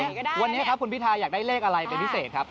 วันนี้ครับคุณพิทาอยากได้เลขอะไรเป็นพิเศษครับ